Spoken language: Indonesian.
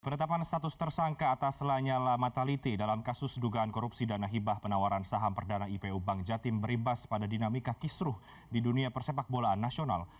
penetapan status tersangka atas lanyala mataliti dalam kasus dugaan korupsi dana hibah penawaran saham perdana ipu bank jatim berimbas pada dinamika kisruh di dunia persepak bolaan nasional